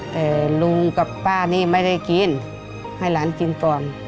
แต่ลุงกับป้านี่ไม่ได้กินให้หลานกินก่อน